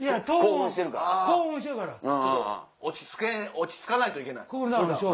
落ち着かないといけない？